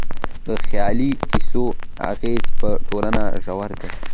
د خيالي کيسو اغېز په ټولنه ژور دی.